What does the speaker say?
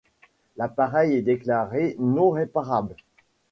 L'appareil est déclaré non réparable.